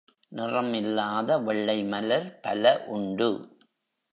நிறம் இல்லாத வெள்ளைமலர் பல உண்டு.